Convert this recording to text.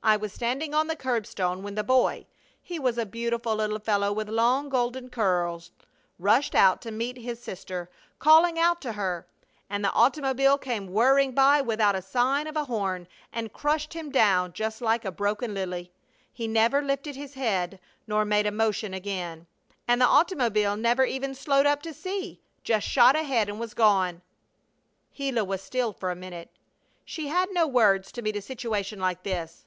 I was standing on the curbstone when the boy he was a beautiful little fellow with long golden curls rushed out to meet his sister, calling out to her, and the automobile came whirring by without a sign of a horn, and crushed him down just like a broken lily. He never lifted his head nor made a motion again, and the automobile never even slowed up to see just shot ahead and was gone." Gila was still for a minute. She had no words to meet a situation like this.